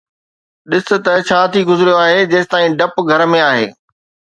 ڏس ته ڇا ٿي گذريو آهي، جيستائين ڊپ گهر ۾ آهي